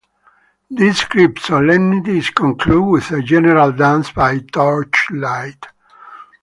This great solemnity is concluded with a general dance by torchlight.